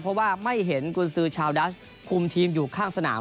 เพราะว่าไม่เห็นกุญสือชาวดัสคุมทีมอยู่ข้างสนาม